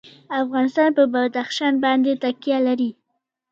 افغانستان په بدخشان باندې تکیه لري.